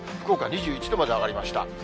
福岡２１度まで上がりました。